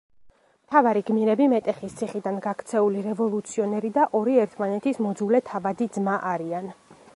მთავარი გმირები მეტეხის ციხიდან გაქცეული რევოლუციონერი და ორი ერთმანეთის მოძულე თავადი ძმა არიან.